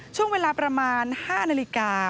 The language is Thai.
ช่วงเวลาประมาณ๕นาฬิกา